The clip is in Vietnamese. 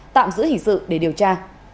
tạm giữ hình sự để điều tra